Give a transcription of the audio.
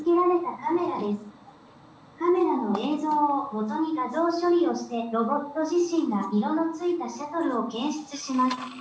カメラの映像をもとに画像処理をしてロボット自身が色のついたシャトルを検出します。